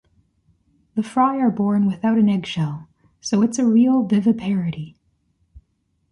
The fry are born without an egg shell, so it’s a real viviparity.